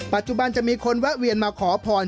ปัจจุบันจะมีคนแวะเวียนมาขอพร